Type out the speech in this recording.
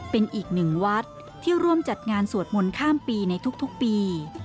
เป็นอีกหนึ่งวัดที่ร่วมจัดงานสวดมนต์ข้ามปีในทุกปี